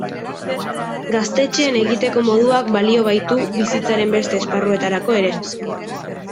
Gaztetxeen egiteko moduak balio baitu bizitzaren beste esparruetarako ere.